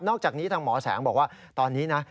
อกจากนี้ทางหมอแสงบอกว่าตอนนี้นะ